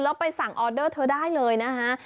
แล้วไปสั่งออเดอร์เธอได้เลยนะคะ